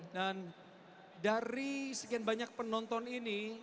dan dari sekian banyak penonton ini